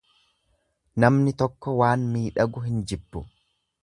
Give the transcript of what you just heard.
Namni tokko waan miidhagu hin jibbu.